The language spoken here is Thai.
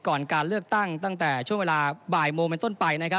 ก่อนการเลือกตั้งตั้งแต่ช่วงเวลาบ่ายโมงเป็นต้นไป